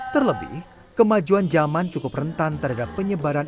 terlebih kemajuan zaman cukup rentan terhadap penyebaran